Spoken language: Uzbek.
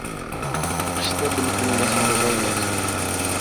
• Qishda bulbulni sayratolmaysan.